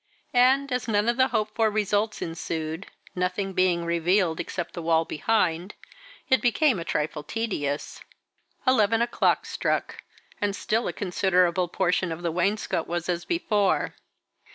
And, as none of the hoped for results ensued nothing being revealed except the wall behind it became a trifle tedious. Eleven o'clock struck, and still a considerable portion of the wainscot was as before.